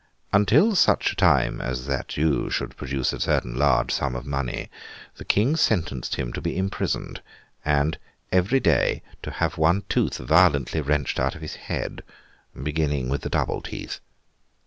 Until such time as that Jew should produce a certain large sum of money, the King sentenced him to be imprisoned, and, every day, to have one tooth violently wrenched out of his head—beginning with the double teeth.